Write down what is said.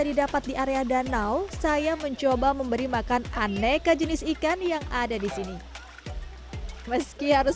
didapat di area danau saya mencoba memberi makan aneka jenis ikan yang ada di sini meski harus